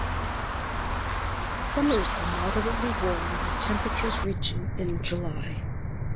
Summers are moderately warm with temperatures reaching in July.